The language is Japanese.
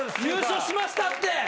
優勝しましたって！